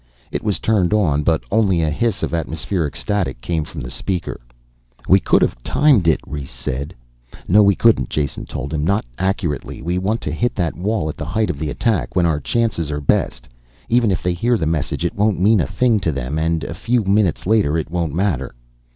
It was turned on, but only a hiss of atmospheric static came from the speaker. "We could have timed it " Rhes said. "No we couldn't," Jason told him. "Not accurately. We want to hit that wall at the height of the attack, when our chances are best. Even if they hear the message it won't mean a thing to them inside. And a few minutes later it won't matter."